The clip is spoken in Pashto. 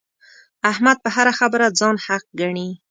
احمد په هره خبره ځان حق ګڼي.